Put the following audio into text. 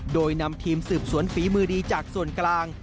โดยนำทีมสืบสวนฝีมือดีจากส่วนกลาง